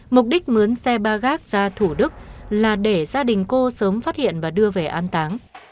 mục đích muốn xe ba gác ra thủ đức là để gia đình cô sớm phát hiện và đưa về an táng